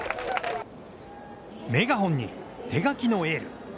メガホンに手書きのエール。